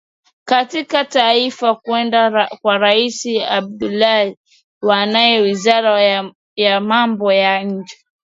katika taarifa kwenda kwa rais abdullah wande wizara ya mambo ya nje